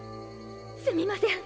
すみません。